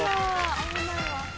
危ないわ。